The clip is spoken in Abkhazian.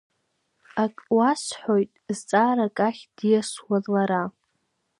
Ак уасҳәоит, зҵаарак ахь диасуан лара.